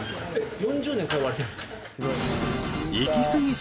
４０年通われてるんですか？